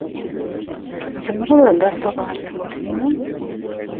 Tzemreḍ ad d-taseḍ ɣer tmurt-inu?